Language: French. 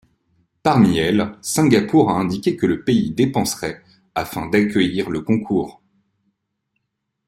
Parmi elles, Singapour a indiqué que le pays dépenserait afin d'accueillir le concours.